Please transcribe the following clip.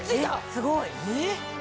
すごい。